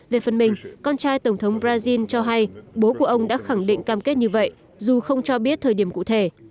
về phần mình con trai tổng thống brazil cho hay bố của ông đã khẳng định cam kết như vậy dù không cho biết thời điểm cụ thể